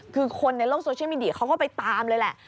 คือคนในโลกโซเชียลมีเดียเขาก็ไปตามเลยแหละ